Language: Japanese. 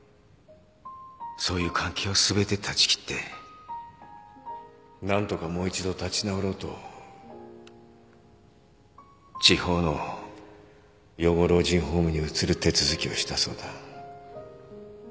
そういう関係を全て断ち切って何とかもう一度立ち直ろうと地方の養護老人ホームに移る手続きをしたそうだ。